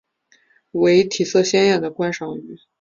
为体色鲜艳的观赏鱼。